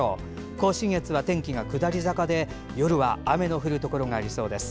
甲信越は天気が下り坂で夜は雨の降るところがありそうです。